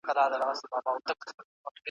هري ښځي ته روپۍ یې وې منلي .